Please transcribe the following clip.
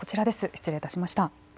失礼いたしました。